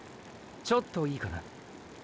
ちょっといいかな？